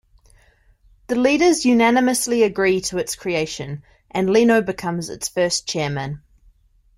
The leaders unanimously agree to its creation, and Lino becomes its first chairman.